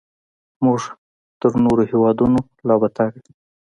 موږ تر نورو هیوادونو لا بدتر یو.